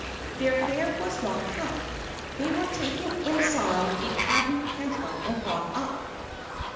Their hair was not cut. They were taken inside a tabu temple and brought up.